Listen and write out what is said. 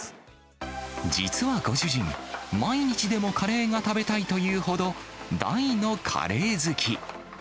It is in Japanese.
実はご主人、毎日でもカレーが食べたいというほど、大のカレー好き。